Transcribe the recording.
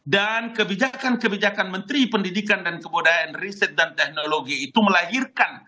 dan kebijakan kebijakan menteri pendidikan dan kebudayaan riset dan teknologi itu melahirkan